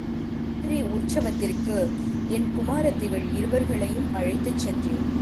மதுரை உற்சவத்திற்கு என் குமாரத்திகள் இருவர்களையும் அழைத்துச் சென்றேன்.